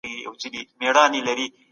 په دغي کیسې کي یو پخوانی راز دی.